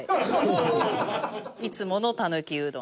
いつものたぬきうどん。